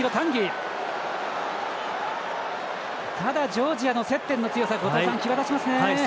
ジョージアの接点の強さ際立ちますね。